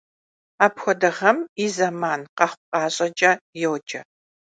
Апхуэдэ гъэм и зэман къэхъу-къащӀэкӀэ йоджэ.